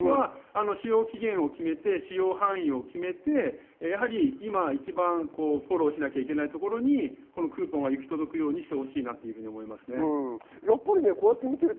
使用期限を決めて、使用範囲を決めて今、フォローしなきゃいけないところにクーポンが行き届くようにしてほしいなと思いますね。